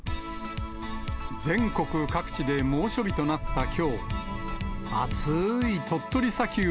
全国各地で猛暑日となったきょう。